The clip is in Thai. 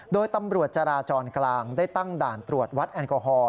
โดยตำรวจจราจรกลางได้ตั้งด่านตรวจวัดแอลกอฮอล